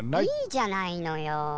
いいじゃないのよ。